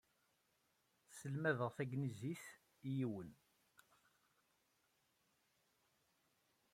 Sselmadeɣ tanglizit i yiwen.